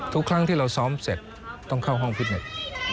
ทุกครั้งที่เราซ้อมเสร็จต้องเข้าห้องฟิตเน็ต